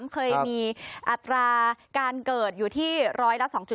เคยมีอัตราการเกิดอยู่ที่ร้อยละ๒๗